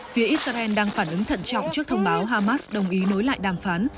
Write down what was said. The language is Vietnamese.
phía israel đang phản ứng thận trọng trước thông báo hamas đồng ý nối lại đàm phán